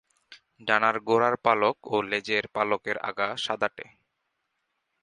ডানার গোড়ার পালক ও লেজের পালকের আগা সাদাটে।